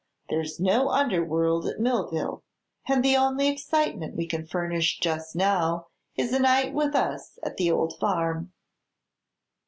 There's no underworld at Millville, and the only excitement we can furnish just now is a night with us at the old farm."